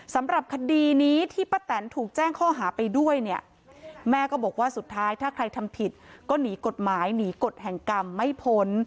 สำหรับคดีนี้ที่ป้าแตนถูกแจ้งข้อหาไปด้วยเนี่ยแม่ก็บอกว่าสุดท้ายถ้าใครทำผิดก็หนีกฎหมายหนีกฎแห่งกรรมไม่พ้น